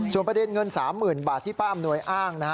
ส่วนประเด็นเงิน๓๐๐๐บาทที่ป้าอำนวยอ้างนะฮะ